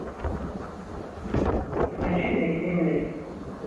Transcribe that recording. Nekk maci d akli-nnek!